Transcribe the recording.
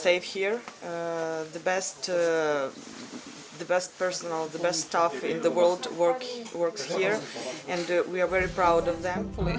dan kita sangat bangga dengan mereka